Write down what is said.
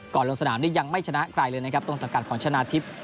ลงสนามนี่ยังไม่ชนะใครเลยนะครับต้นสังกัดของชนะทิพย์